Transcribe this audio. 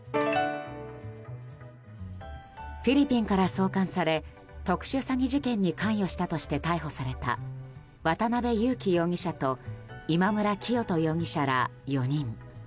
フィリピンから送還され特殊詐欺事件に関与したとして逮捕された渡邉優樹容疑者と今村磨人容疑者ら４人。